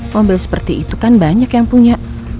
mobil seperti itu kan banyak yang punya